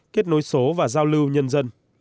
kết nối số và giao lưu nhân dân